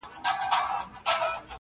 وحدت الوجود یې خوښ و